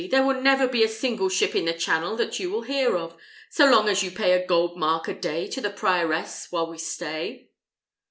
there will never be a single ship in the Channel that you will hear of, so long as you pay a gold mark a day to the prioress while we stay."